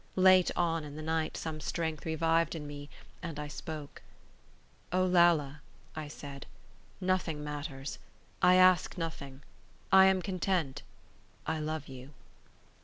Late on in the night some strength revived in me, and I spoke:— "Olalla," I said, "nothing matters; I ask nothing; I am content; I love you."